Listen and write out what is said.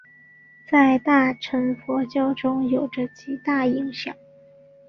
在大乘佛教中有着极大影响。